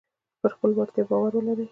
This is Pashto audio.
پر خپلو وړتیاو باور ولرئ.